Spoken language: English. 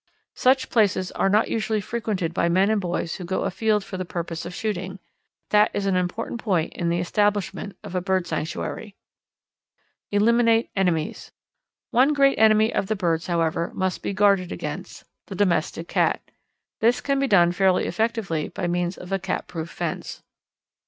Such places are not usually frequented by men and boys who go afield for the purpose of shooting. That is an important point in the establishment of a bird sanctuary. Eliminate Enemies. One great enemy of the birds, however, must be guarded against the domestic cat. This can be done fairly effectively by means of a cat proof fence.